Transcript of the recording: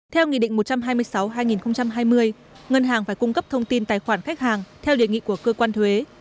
theo nghị định một trăm hai mươi sáu hai nghìn hai mươi ngân hàng phải cung cấp thông tin tài khoản khách hàng theo đề nghị của cơ quan thuế